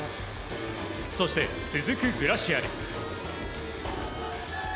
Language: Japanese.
そして、続くグラシアル。